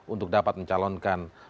untuk dapat mencalonkan presiden